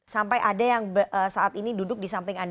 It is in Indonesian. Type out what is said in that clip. sampai ada yang saat ini duduk di samping anda